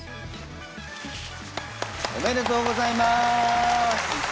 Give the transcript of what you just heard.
おめでとうございます！